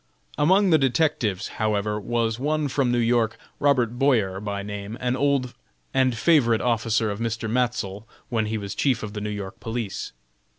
Among the detectives, however was one from New York, Robert Boyer, by name, an old and favorite officer of Mr. Matsell when he was chief of the New York police.